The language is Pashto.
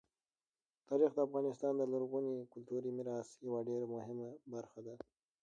تاریخ د افغانستان د لرغوني کلتوري میراث یوه ډېره مهمه برخه ده.